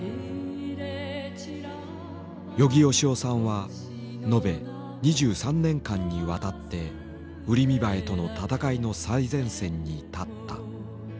与儀喜雄さんは延べ２３年間にわたってウリミバエとのたたかいの最前線に立った。